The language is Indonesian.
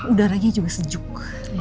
udaranya juga sejuk